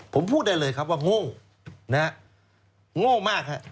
ผมพูดได้เลยครับว่างง่วงง่วงมากครับ